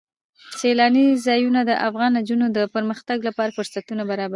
سیلانی ځایونه د افغان نجونو د پرمختګ لپاره فرصتونه برابروي.